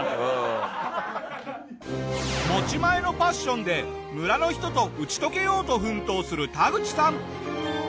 持ち前のパッションで村の人と打ち解けようと奮闘するタグチさん。